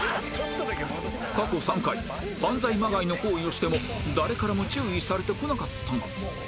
過去３回犯罪まがいの行為をしても誰からも注意されてこなかったが